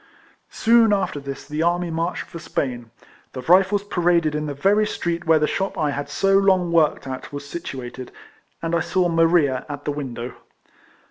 Soon after this the army marched for Spain ; the Rifles paraded in the very street where the shop I had so long worked at was situated, and I saw Maria at the win dow.